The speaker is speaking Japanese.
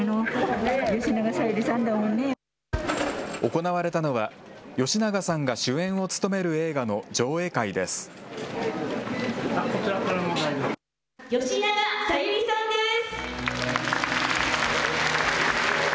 行われたのは、吉永さんが主演を務める映画の上映会です。